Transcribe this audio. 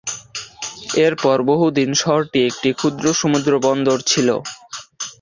এরপর বহুদিন শহরটি একটি ক্ষুদ্র সমুদ্র বন্দর ছিল।